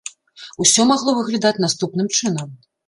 Усё магло выглядаць наступным чынам.